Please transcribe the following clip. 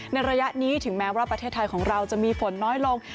ในระยะนี้ถึงไทยจะมีฝนน้อยลง